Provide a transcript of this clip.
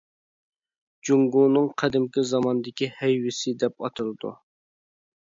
جۇڭگونىڭ قەدىمكى زاماندىكى ھەيۋىسى دەپ ئاتىلىدۇ.